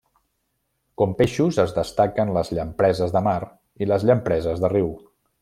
Com peixos es destaquen les llampreses de mar, i les llampreses de riu.